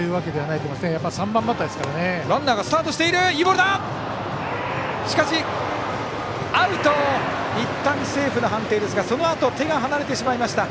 いったんはセーフの判定ですがそのあと手が離れてしまいました。